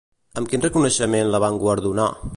Amb quin reconeixement la van guardonar?